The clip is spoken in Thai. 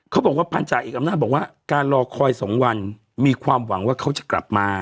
บอกว่าพันธาเอกอำนาจบอกว่าการรอคอย๒วันมีความหวังว่าเขาจะกลับมา